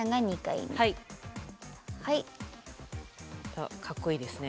あっかっこいいですね。